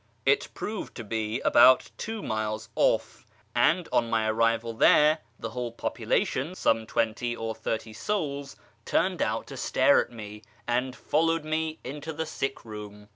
It proved to be about two miles off, and on my arrival there the whole population (some twenty or thirty souls) turned out to stare at me, and followed me into the sick room.